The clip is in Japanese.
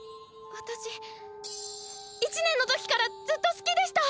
私１年の時からずっと好きでした！